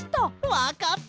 わかった！